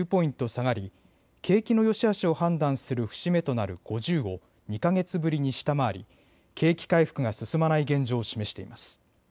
下がり景気のよしあしを判断する節目となる５０を２か月ぶりに下回り、景気回復が進まない現状を示しています。